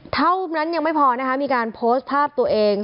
เท่านั้นยังไม่พอนะคะมีการโพสต์ภาพตัวเอง